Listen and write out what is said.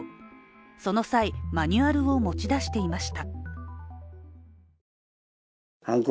その際、マニュアルを持ち出していました。